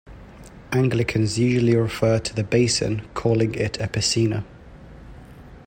Anglicans usually refer to the basin, calling it a piscina.